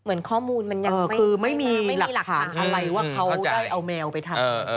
เหมือนข้อมูลมันยังคือไม่มีหลักฐานอะไรว่าเขาได้เอาแมวไปทำ